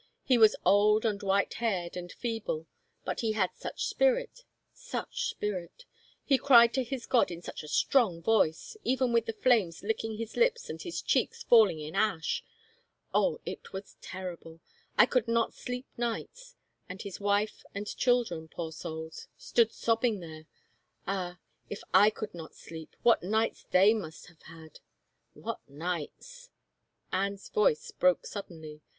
He was old and white haired and feeble, but he had such spirit ... such spirit. He cried to his God in such a strong voice — even with the flames licking his lips and his cheeks falling in ash. ... Oh, it was terrible! I could not sleep nights! And his wife and children, poor souls, stood sobbing there — Ah, if / could not sleep, what nights they must have had. What nights! " Anne's voice broke suddenly.